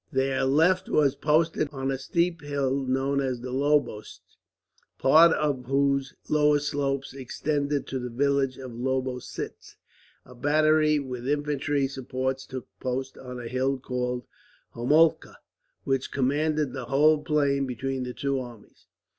Their left was posted on a steep hill known as the Lobosch, part of whose lower slopes extended to the village of Lobositz. A battery, with infantry supports, took post on a hill called Homolka, which commanded the whole plain between the two armies.